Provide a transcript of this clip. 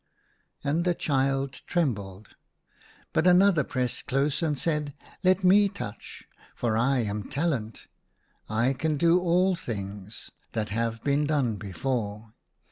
And the child trembled. But another pressed close and said, Let me touch ; for I am Talent. I can do all things — that have been done before.